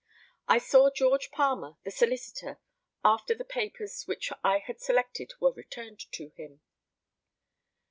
I saw George Palmer, the solicitor, after the papers which I had selected were returned to him.